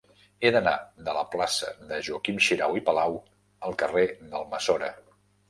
He d'anar de la plaça de Joaquim Xirau i Palau al carrer d'Almassora.